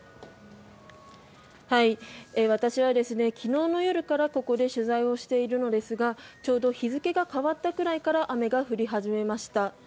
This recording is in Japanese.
私は昨日の夜からここで取材をしているのですがちょうど日付が変わったくらいから雨が降り始めました。